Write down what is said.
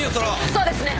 そうですね。